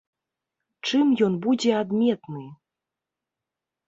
Чым ён будзе адметны?